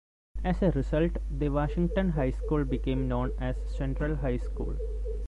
As a result, the Washington High School became known as Central High School.